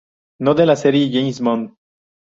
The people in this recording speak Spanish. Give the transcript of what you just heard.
No" de la serie James Bond.